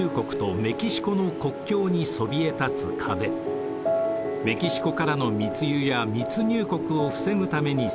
メキシコからの密輸や密入国を防ぐために設置されたものです。